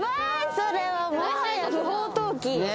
それはもはや不法投棄。